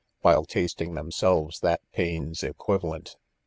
while tasting themselves that pain's equivalent.